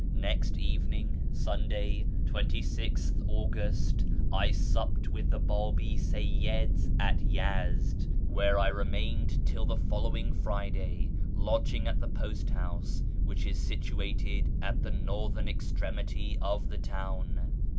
Next evening (Sunday, 26th August) I supped with the Babi Seyyids at Yezd, where I remained till the following Friday, lodging at the post house, which is situated at the northern extremity of the town.